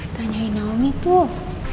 tanyain naomi tuh